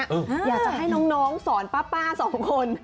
อยากจะให้น้องสอนป้าสองคน